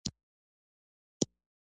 د دښتو د اړتیاوو لپاره اقدامات کېږي.